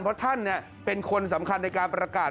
เพราะท่านเป็นคนสำคัญในการประกาศ